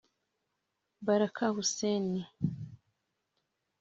Baraka Hussein